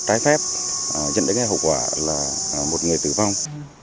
cái phép nhận được cái hậu quả là một người tử vong